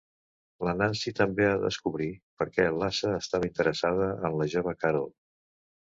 La Nancy també ha de descobrir per què l'Asa estava interessada en la jove Carol.